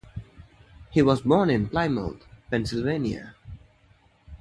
He was born in Plymouth, Pennsylvania.